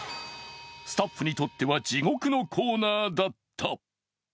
スタッフにとっては地獄のコーナーだった。